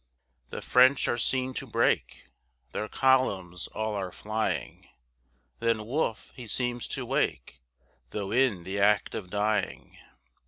The French are seen to break, Their columns all are flying; Then Wolfe he seems to wake, Though in the act of dying.